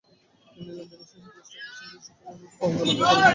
দিনের লেনদেন শেষে দুই স্টক এক্সচেঞ্জেই সূচকের নিম্নমুখী প্রবণতা লক্ষ করা গেছে।